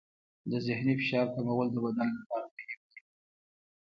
د ذهني فشار کمول د بدن لپاره مهم دي.